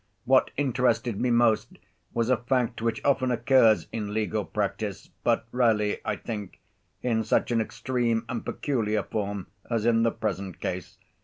What interested me most was a fact which often occurs in legal practice, but rarely, I think, in such an extreme and peculiar form as in the present case.